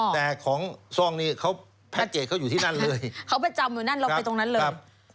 แต่ของซ่องนี้เขาแพ็คเกจเขาอยู่ที่นั่นเลยเขาประจำอยู่นั่นเราไปตรงนั้นเลย